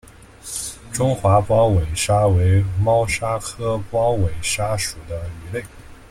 中华光尾鲨为猫鲨科光尾鲨属的鱼类。